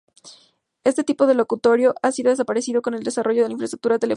Este tipo de locutorio ha casi desaparecido con el desarrollo de la infraestructura telefónica.